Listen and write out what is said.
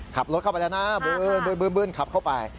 ขับรถเข้าไปแล้วนะขับเข้าไป